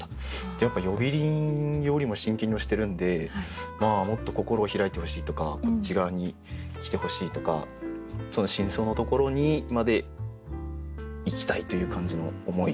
やっぱり呼び鈴よりも真剣に押してるんでもっと心を開いてほしいとかこっち側に来てほしいとかその深層のところにまで行きたいという感じの思い。